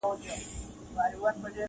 • خپلوۍ سوې ختمي غريبۍ خبره ورانه سوله,